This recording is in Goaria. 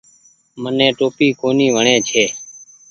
مني ٽوپي ڪونيٚ وڻي ڇي۔